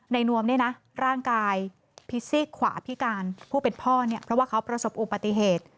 ในนวมร่างกายพิสิกขวาพิการผู้เป็นพ่อเพราะว่าเขาประสบอุปติเหตุ